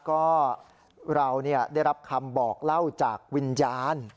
ก็เราได้รับคำบอกเล่าจากวิญญาณ